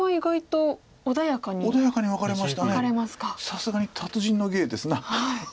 さすがに達人の芸です。